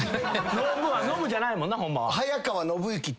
ノブはノブじゃないもんなホンマは。